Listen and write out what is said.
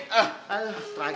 sampai jumpa lagi